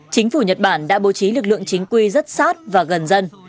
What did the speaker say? chính phủ nhật bản đã bố trí lực lượng chính quy rất sát và gần dân